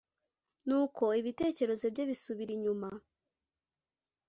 Nuko ibitekerezo bye bisubira inyuma